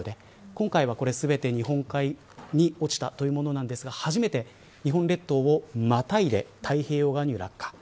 今回は全て日本海に落ちたというものなんですが初めて日本列島をまたいで太平洋側に落下。